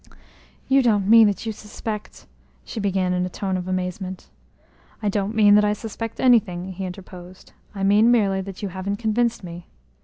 "You don't mean that you suspect ?" she began in a tone of amazement. "I don't mean that I suspect anything," he interposed. "I mean merely that you haven't convinced me.